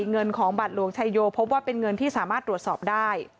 เงินของบัตรหลวงชัยโยพบว่าเป็นเงินที่สามารถตรวจสอบได้